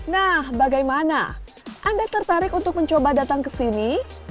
nah bagaimana anda tertarik untuk mencoba datang ke sini